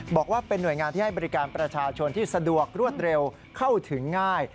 บอกว่าเป็นหน่วยงานที่ให้บริการประชาชนที่สะดวกรวดเร็วเข้าถึงง่าย